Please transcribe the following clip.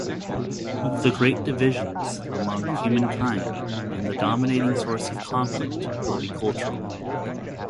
The great divisions among humankind and the dominating source of conflict will be cultural.